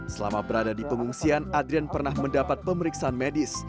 selama berada di pengungsian adrian pernah mendapat pemeriksaan medis